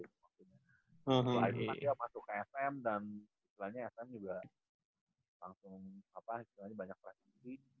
setelah itu dia masuk ke sm dan istilahnya sm juga langsung apa istilahnya banyak prakti